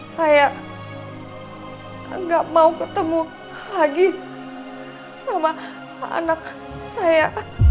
saya nggak mau ketemu lagi sama anak saya